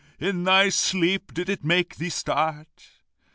In thy sleep did it make thee start?